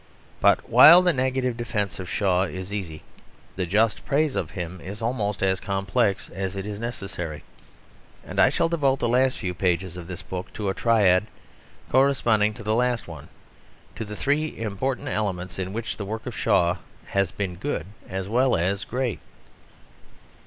But while the negative defence of Shaw is easy, the just praise of him is almost as complex as it is necessary; and I shall devote the last few pages of this book to a triad corresponding to the last one to the three important elements in which the work of Shaw has been good as well as great.